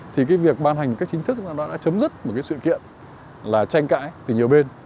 thì việc ban hành chính thức đã chấm dứt một sự kiện tranh cãi từ nhiều bên